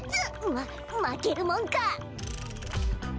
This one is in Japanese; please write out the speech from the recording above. ままけるもんか！